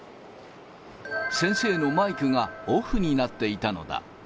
先生のマイクがオフになっていたのだ。